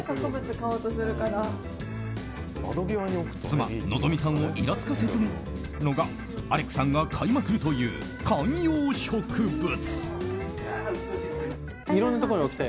妻・希さんをイラつかせるのがアレクさんが買いまくるという観葉植物。